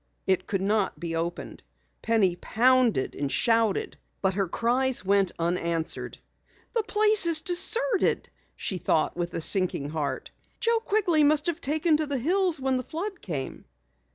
It could not be opened. Penny pounded and shouted. Her cries went unanswered. "The place is deserted!" she thought with a sinking heart. "Joe Quigley must have taken to the hills when the flood came."